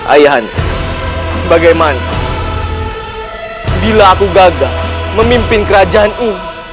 ayah anda bagaimana bila aku gagal memimpin kerajaan ini